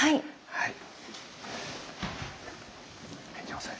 はい。